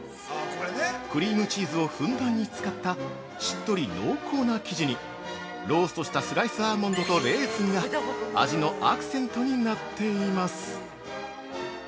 クリームチーズをふんだんに使ったしっとり濃厚な生地にローストしたスライスアーモンドとレーズンが味のアクセントになっています。